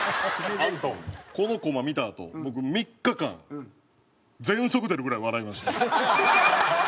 この子見たあと僕３日間喘息出るぐらい笑いました。